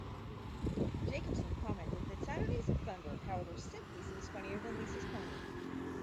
Jacobson commented that "Saturdays of Thunder", however, "simply seems funnier than 'Lisa's Pony'.